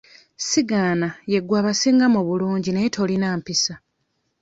Sigaana ye gwe abasinga mu bulungi naye tolina mpisa.